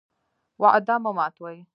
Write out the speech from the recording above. وعده مه ماتوئ